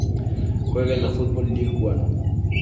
Juega en la Football League One.